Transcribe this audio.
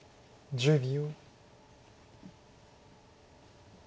１０秒。